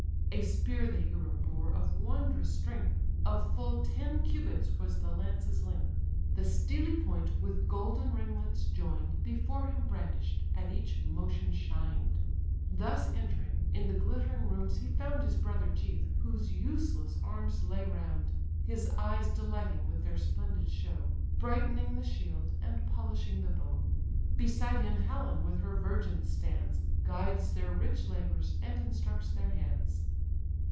A spear the hero bore of wondrous strength, Of full ten cubits was the lance's length, The steely point with golden ringlets join'd, Before him brandish'd, at each motion shined Thus entering, in the glittering rooms he found His brother chief, whose useless arms lay round, His eyes delighting with their splendid show, Brightening the shield, and polishing the bow. Beside him Helen with her virgins stands, Guides their rich labours, and instructs their hands.